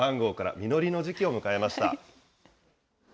実りの時期を迎えました。